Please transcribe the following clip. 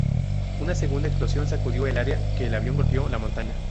Una segunda explosión sacudió el área que el avión golpeó la montaña.